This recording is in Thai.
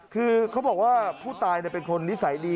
คือเขาบอกว่าผู้ตายเป็นคนนิสัยดี